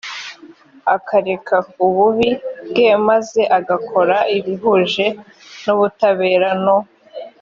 akareka ububi bwe maze agakora ibihuje n ubutabera no